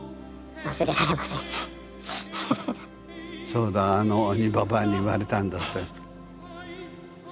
「そうだあの鬼ばばあに言われたんだ」って。